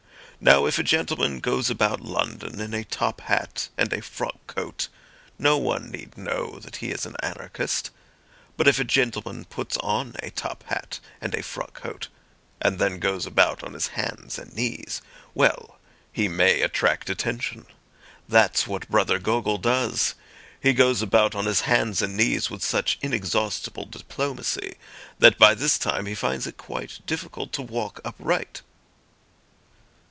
Now if a gentleman goes about London in a top hat and a frock coat, no one need know that he is an anarchist. But if a gentleman puts on a top hat and a frock coat, and then goes about on his hands and knees—well, he may attract attention. That's what Brother Gogol does. He goes about on his hands and knees with such inexhaustible diplomacy, that by this time he finds it quite difficult to walk upright."